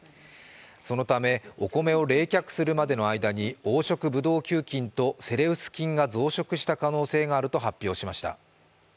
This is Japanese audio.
そのため、お米を冷却するまでの間に黄色ブドウ球菌とセレウス菌が増殖した可能性があると発表しました。